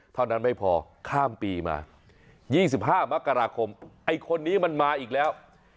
เท่านั้นไม่พอข้ามปีมา๒๕มกราคมไอ้คนนี้มันมาอีกแล้ว